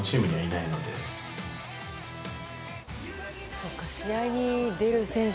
そうか、試合に出る選手